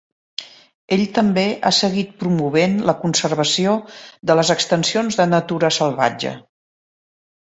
Ell també ha seguit promovent la conservació de les extensions de natura salvatge.